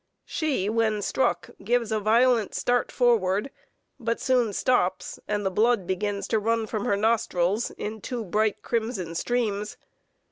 She, when struck, gives a violent start forward, but soon stops, and the blood begins to run from her nostrils in two bright crimson streams.